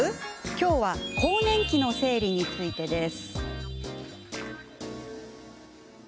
今日は更年期の生理についてです。